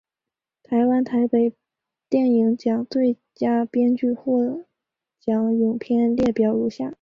台湾台北电影奖最佳编剧获奖影片列表如下。